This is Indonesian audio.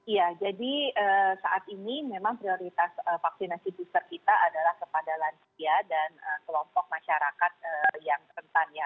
ya jadi saat ini memang prioritas vaksinasi booster kita adalah kepada lansia dan kelompok masyarakat yang rentan ya